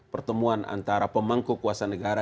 pertemuan antara pemangku kuasa negara